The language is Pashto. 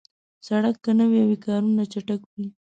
سړک که نوي وي، کارونه چټک وي.